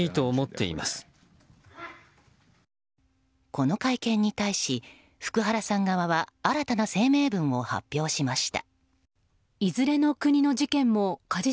この会見に対し、福原さん側は新たな声明文を発表しました。